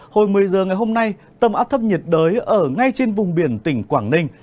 hồi một mươi giờ ngày hôm nay tâm áp thấp nhiệt đới ở ngay trên vùng biển tỉnh quảng ninh